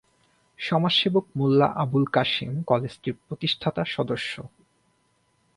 সমাজসেবক মোল্লা আবুল কাশেম কলেজটির প্রতিষ্ঠাতা সদস্য।